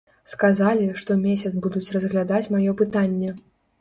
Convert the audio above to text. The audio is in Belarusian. Сказалі, што месяц будуць разглядаць маё пытанне.